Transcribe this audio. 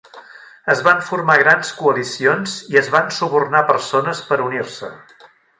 Es van formar grans coalicions i es van subornar persones per unir-se.